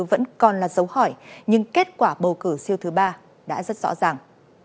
năm hai nghìn hai mươi bốn vẫn còn là dấu hỏi nhưng kết quả bầu cử siêu thứ ba đã rất rõ ràng